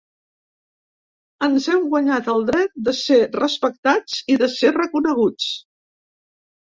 Ens hem guanyat el dret de ser respectats i de ser reconeguts.